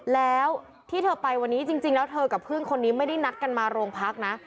แล้วที่เธอไปวันนี้จริงแล้วเธอกับเพื่อนคนนี้ไม่ได้นัดกันมาโรงพักนะ